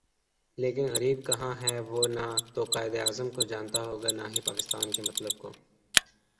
لیکن غریب کہاں ہے وہ نہ توقائد اعظم کو جانتا ہوگا نا ہی پاکستان کے مطلب کو